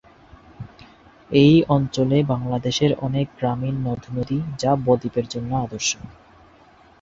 এই অঞ্চলে বাংলাদেশের অনেক গ্রামীণ নদ-নদী যা বদ্বীপের জন্য আদর্শ।